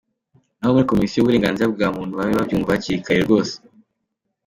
N’abo muri Komisiyo y’Uburenganzira bwa muntu babe babyumva hakiri kare, rwose.”